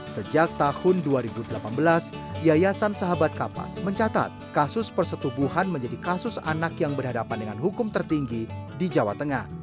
sejak tahun dua ribu delapan belas yayasan sahabat kapas mencatat kasus persetubuhan menjadi kasus anak yang berhadapan dengan hukum tertinggi di jawa tengah